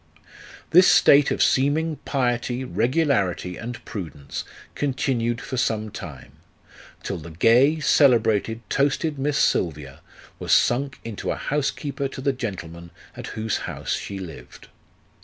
This state of seeming piety, regularity, and prudence continued for some time, till the gay, celebrated, toasted Miss Silvia was sunk into a house keeper to the gentleman at whose house she lived.